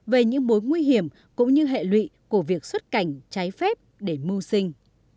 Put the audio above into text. về những mối nguy hiểm cũng như hệ lụy của việc xuất cảnh trái phép để mưu sinh